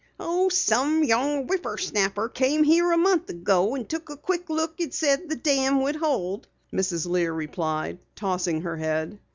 "Oh, some young whippersnapper come here a month ago and took a quick look and said the dam would hold," Mrs. Lear replied, tossing her head.